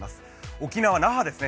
沖縄、那覇ですね